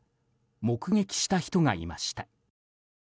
目撃した人がいました。